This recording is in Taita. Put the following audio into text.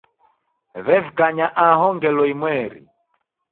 W'evikanya aho ngelo imweri.